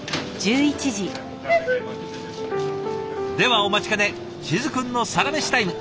ではお待ちかね静くんのサラメシタイム。